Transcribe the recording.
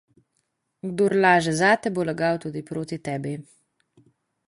Kdor laže zate, bo lagal tudi proti tebi.